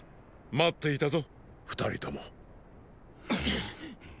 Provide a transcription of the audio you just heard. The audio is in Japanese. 待っていたぞ二人とも。